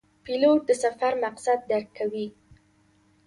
پیلوټ د سفر مقصد درک کوي.